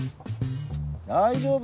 大丈夫！